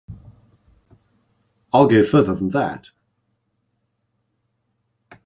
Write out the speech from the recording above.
I'll go further than that.